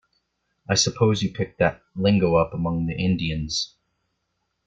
I suppose you picked that lingo up among the Indians.